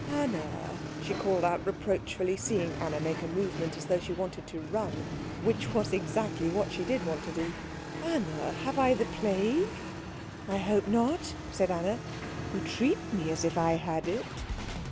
"Anna," she called out reproachfully, seeing Anna make a movement as though she wanted to run, which was exactly what she did want to do, "Anna, have I the plague?" "I hope not," said Anna. "You treat me as if I had it."